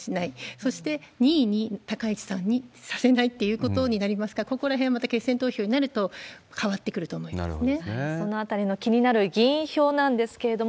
そして２位に、高市さんにさせないっていうことになりますから、ここらへんはまた決選投票になると、変わってくると思いますね。